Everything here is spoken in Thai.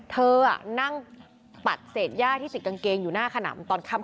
เธอนั่งปัดเศษย่าที่ติดกางเกงอยู่หน้าขนำตอนค่ำ